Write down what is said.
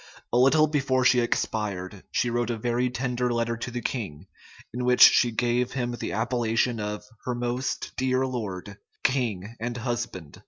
A little before she expired, she wrote a very tender letter to the king, in which she gave him the appellation of "her most dear lord, king, and husband."